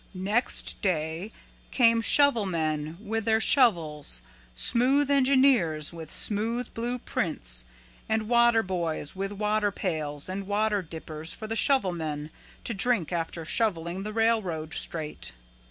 "Next day came shovelmen with their shovels, smooth engineers with smooth blue prints, and water boys with water pails and water dippers for the shovelmen to drink after shoveling the railroad straight.